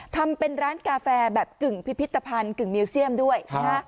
ทำเป็นร้านกาแฟแบบกึ่งพิพิธภัณฑ์กึ่งมิวเซียมด้วยนะฮะ